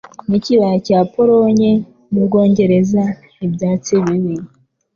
N'ikibaya cya Polonye, n'Ubwongereza ibyatsi bibi,